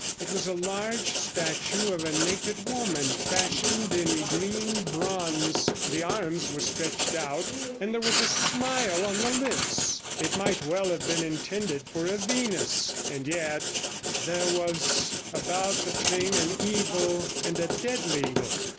It was a large statue of a naked woman, fashioned in green bronze, the arms were stretched out, and there was a smile on the lips; it might well have been intended for a Venus, and yet I there was about the thing an evil and a deadly look.